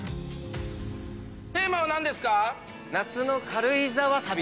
テーマは何ですか？